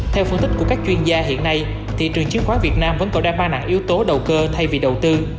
theo phân tích của các chuyên gia hiện nay thị trường chứng khoán việt nam vẫn có đa ba nặng yếu tố đầu cơ thay vì đầu tư